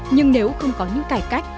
nhưng nếu không có những cải cách